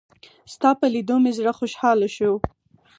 ستا په لېدو مې زړه خوشحاله شو.